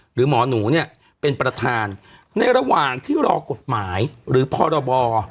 หรือหมอหนูเนี่ยเป็นประธานในระหว่างที่รอกฎหมายหรือพรบ